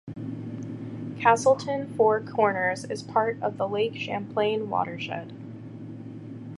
Castleton Four Corners is part of the Lake Champlain watershed.